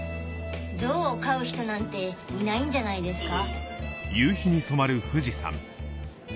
ゾウを飼う人なんていないんじゃないですか？